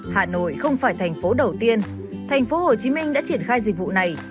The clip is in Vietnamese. hà nội không phải thành phố đầu tiên thành phố hồ chí minh đã triển khai dịch vụ này